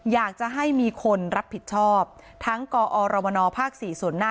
อยากจะให้มีคนรับผิดชอบทั้งกอรมนภ๔ส่วนหน้า